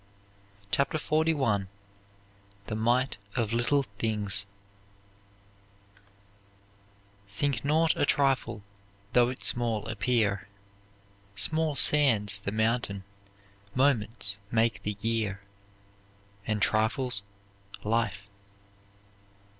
CHAPTER XLI THE MIGHT OF LITTLE THINGS Think naught a trifle, though it small appear; Small sands the mountain, moments make the year, And trifles, life.